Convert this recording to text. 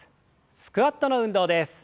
スクワットの運動です。